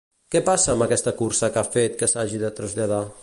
Què passa amb aquesta cursa que ha fet que s'hagi de traslladar?